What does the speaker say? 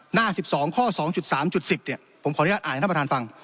หน้า๑๒ข้อ๒๓๐ผมขออนุญาตอ่านให้ท่านประธานฟัง